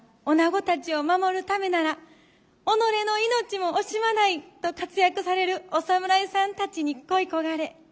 おなごたちを守るためなら己の命も惜しまないと活躍されるお侍さんたちに恋い焦がれ。